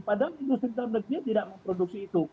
padahal industri dalam negeri tidak memproduksi itu